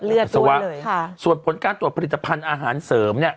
เลือดด้วยเลยค่ะสวัสดิ์ส่วนผลการตรวจผลิตภัณฑ์อาหารเสริมเนี่ย